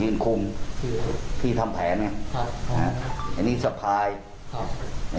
ยืนคุมคือพี่ทำแผนเนี้ยอันนี้สะพายครับ